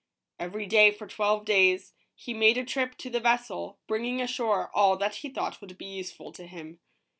Every day for twelve days, he made a trip to the vessel, bringing ashore all that he thought would be useful to him.